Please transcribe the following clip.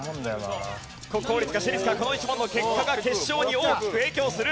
国公立か私立かこの１問の結果が決勝に大きく影響する。